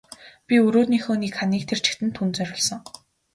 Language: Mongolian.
Би өрөөнийхөө нэг ханыг тэр чигт нь түүнд зориулсан.